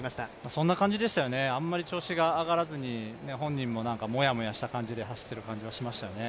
そんな感じでしたよね、あんまり調子が上がらずに本人ももやもやした感じで走ってる感じがしましたよね。